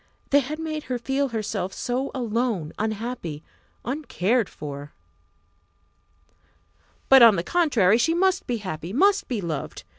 They had made her feel herself so alone, unhappy, uncared for! But, on the contrary, she must be happy! must be loved!